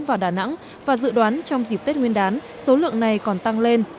vào đà nẵng và dự đoán trong dịp tết nguyên đán số lượng này còn tăng lên